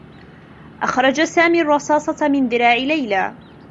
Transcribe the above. أخرج سامي الرّصاصة من ذراع ليلى.